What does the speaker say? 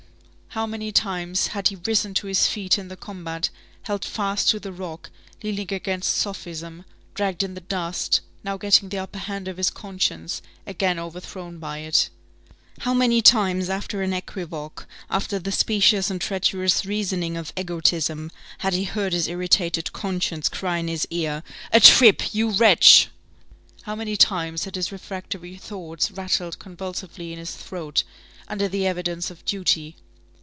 How many times had he risen to his feet in the combat, held fast to the rock, leaning against sophism, dragged in the dust, now getting the upper hand of his conscience, again overthrown by it! How many times, after an equivoque, after the specious and treacherous reasoning of egotism, had he heard his irritated conscience cry in his ear: "A trip! you wretch!" How many times had his refractory thoughts rattled convulsively in his throat, under the evidence of duty!